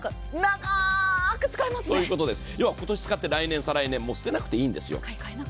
要は今年使って来年、再来年捨てなくていいんですよ。